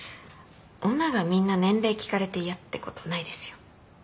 女がみんな年齢聞かれて嫌ってことないですよ。